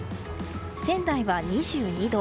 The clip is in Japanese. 仙台は２２度。